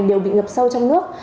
điều bị ngập sâu trong nước